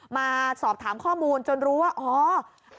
มาสอบถามข้อมูลจนรู้ว่าอ๋อ